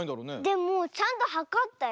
でもちゃんとはかったよ。